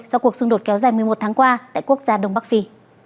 sau cuộc xung đột kéo dài một mươi một tháng qua tại quốc gia đông bắc phi